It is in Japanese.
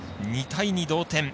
２対２、同点。